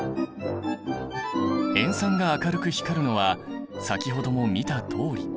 塩酸が明るく光るのは先ほども見たとおり。